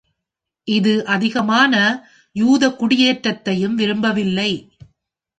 இது அதிகமான யூத குடியேற்றத்தையும் விரும்பவில்லை.